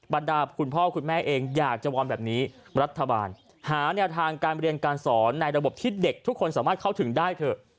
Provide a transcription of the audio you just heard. บรรดาคุณพ่อคุณแม่เองอยากจะวอนแบบนี้รัฐบาลหาแนวทางการเรียนการสอนในระบบที่เด็กทุกคนสามารถเข้าถึงได้เถอะ